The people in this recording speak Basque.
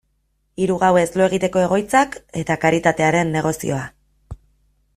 Hiru gauez lo egiteko egoitzak eta karitatearen negozioa.